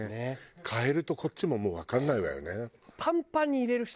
変えるとこっちももうわからないわよね。